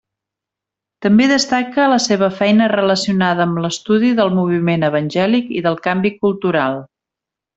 També destaca la seva feina relacionada amb l'estudi del moviment evangèlic i del canvi cultural.